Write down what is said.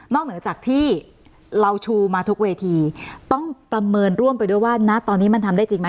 เหนือจากที่เราชูมาทุกเวทีต้องประเมินร่วมไปด้วยว่าณตอนนี้มันทำได้จริงไหม